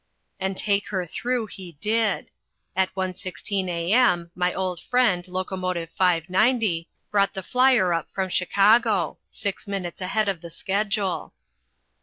And take her through he did. At 1.16 A.M. my old friend, locomotive 590, brought the flier up from Chicago, six minutes ahead of the schedule.